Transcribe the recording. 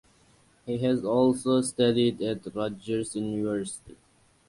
He has also studied at Rutgers University.